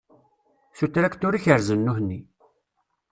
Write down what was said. S utraktur i kerrzen nutni.